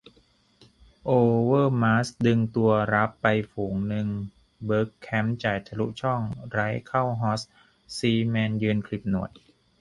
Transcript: โอเวอร์มาร์สดึงตัวรับไปฝูงนึง เบิร์กแคมป์จ่ายทะลุช่อง ไรต์เข้าฮอส ซีแมนยืนขลิบหนวด